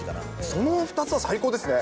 その２つは最高ですね。